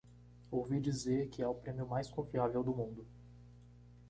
Ouvi dizer que é o prêmio mais confiável do mundo.